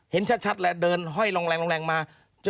เห็นชัดเลยเดินห้อยลงแรงมา